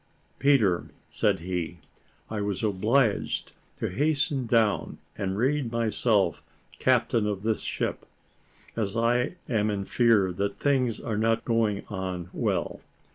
"Peter," said he, "I was obliged to hasten down and read myself captain of this ship, as I am in fear that things are not going on well.